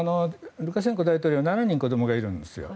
ルカシェンコ大統領７人子どもがいるんですよ。